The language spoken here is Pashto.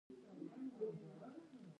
خدای وکړي جوړ او روغ به وئ.